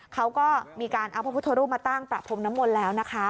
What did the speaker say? เขาก็มีการเอาพระพุทธรูปมาตั้งประพรมน้ำมนต์แล้วนะคะ